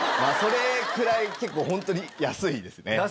それくらい結構ホントに安いですね。